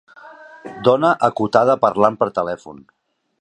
Dona acotada parlant per telèfon.